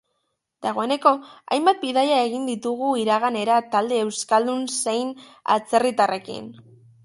Dagoeneko hainbat bidaia egin ditugu iraganera talde euskaldun zein atzerritarrekin.